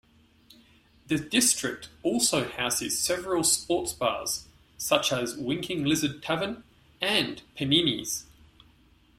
The district also houses several sports bars such as Winking Lizard Tavern and Panini's.